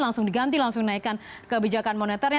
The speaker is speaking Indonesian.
langsung diganti langsung naikkan kebijakan moneternya